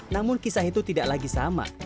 namun kisah itu tidak lagi sama